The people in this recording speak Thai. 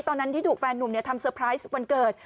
ตอนนั้นที่ถูกแฟนหนุ่มทำเซอร์ไพรส์วันเกิด